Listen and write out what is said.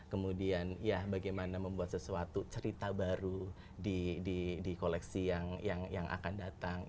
kemudian ya bagaimana membuat sesuatu cerita baru di koleksi yang akan datang